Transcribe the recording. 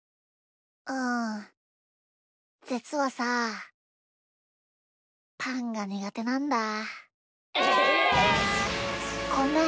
うんじつはさパンがにがてなんだ。え！？ごめん。